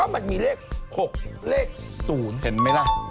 มันมีเลข๖เหนือไม่มี๐